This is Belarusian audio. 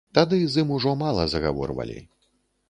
Тады з ім ужо мала загаворвалі.